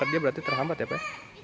wah sangat terhambat sekali